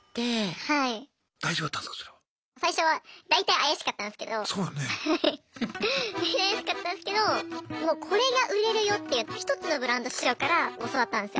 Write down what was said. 怪しかったんですけどもうこれが売れるよっていう１つのブランド師匠から教わったんですよ。